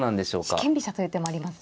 四間飛車という手もありますか。